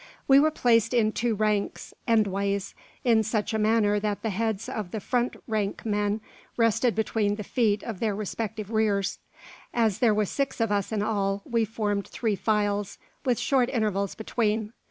We were placed in two ranks, "endways," in such a manner that the heads of the front rank men rested between the feet of their respective "rears." As there were six of us in all, we formed three files, with short intervals between.